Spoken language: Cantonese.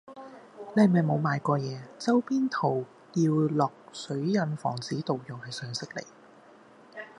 你係咪冇賣過嘢，周邊圖要落水印防止盜用係常識嚟